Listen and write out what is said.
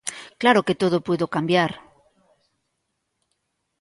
Claro que todo puido cambiar.